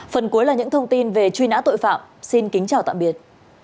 phần cuối là những thông tin về truy nã tội phạm xin kính chào tạm biệt